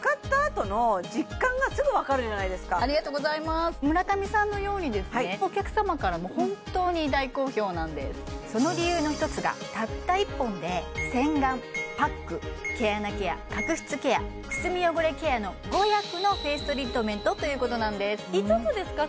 ありがとうございます村上さんのようにですねお客様からも本当に大好評なんですその理由の一つがたった１本で洗顔パック毛穴ケア角質ケアくすみ汚れケアの５役のフェイストリートメントということなんです５つですか？